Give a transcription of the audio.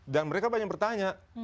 dan mereka banyak bertanya